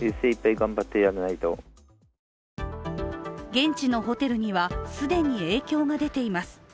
現地のホテルには、既に影響が出ています。